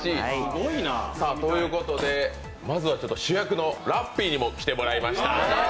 ということで、まずは主役のラッピーにも来てもらいました。